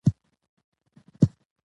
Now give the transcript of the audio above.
مېلې د خلکو ذهني فشار کموي.